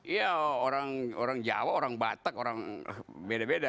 iya orang jawa orang batak orang beda beda